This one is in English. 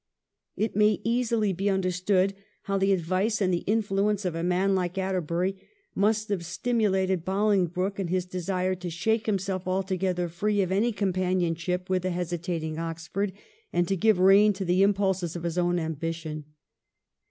It may easily be understood how the advice and the influence of a man like Atterbury must have stimulated Bolingbroke in his desire to shake himself altogether free of any companionship with the hesi tating Oxford, and to give rein to the impulses of his own ambition.